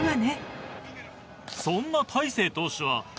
そんな大勢投手は。